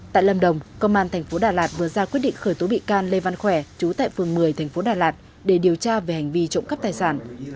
tại lâm đồng công an thành phố đà lạt vừa ra quyết định khởi tố bị can lê văn khỏe trú tại phường một mươi tp đà lạt để điều tra về hành vi trộm cắp tài sản